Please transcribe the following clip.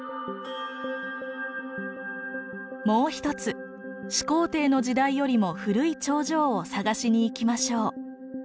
もう一つ始皇帝の時代よりも古い長城を探しに行きましょう。